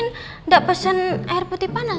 tidak pesen air putih panas